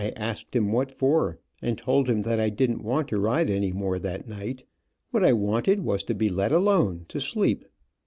I asked him what for, and told him that I didn t want to ride any more that night. What I wanted was to be let alone, to sleep.